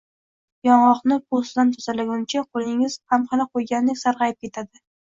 Yong’oqni po’stidan tozalaguncha, qo‘lingiz ham xina qo‘ygandek sarg‘ayib ketadi.